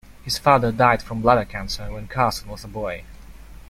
His father died from bladder cancer when Carson was a boy.